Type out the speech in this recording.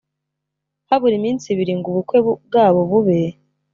habura iminsi ibiri ngo ubukwe bwabo bube.